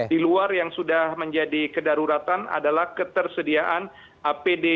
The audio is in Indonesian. di luar yang sudah menjadi kedaruratan adalah ketersediaan apd